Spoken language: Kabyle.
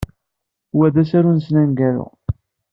Wa d asaru-nsen aneggaru.